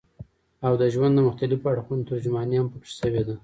او د ژوند د مختلفو اړخونو ترجماني هم پکښې شوې ده